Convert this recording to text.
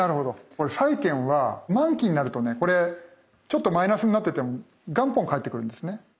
これ債券は満期になるとねこれちょっとマイナスになってても元本返ってくるんですね。